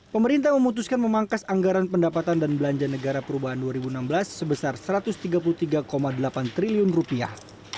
pemerintah memutuskan memangkas anggaran pendapatan dan belanja negara perubahan dua ribu enam belas sebesar satu ratus tiga puluh tiga delapan triliun rupiah